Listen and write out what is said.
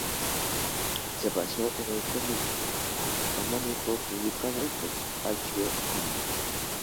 Se basó en el cómic homónimo publicado por Archie Comics.